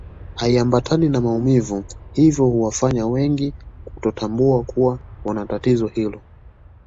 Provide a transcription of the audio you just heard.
Haiambatani na maumivu hivyo huwafanya wengi kutotambua kuwa wana tatizo hili